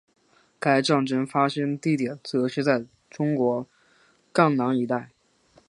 该战斗发生地点则是在中国赣南一带。